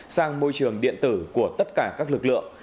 sang môi trường điện tử của tất cả các lực lượng